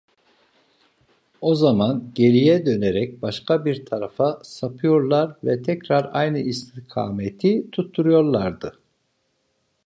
O zaman geriye dönerek başka bir tarafa sapıyorlar ve tekrar aynı istikameti tutturuyorlardı.